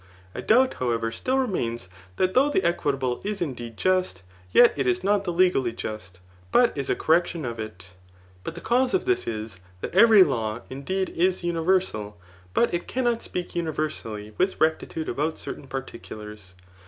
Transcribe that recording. A doubt, however, still remains, that though the equitable is indeed just, yet it is not the legally just, but is a correction of it. But the cause of this is, that every law, indeed, is universal ; but it cannot speak universally with rectitude about certain particulars.